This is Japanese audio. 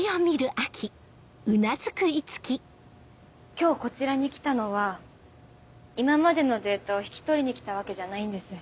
今日こちらに来たのは今までのデータを引き取りにきたわけじゃないんです。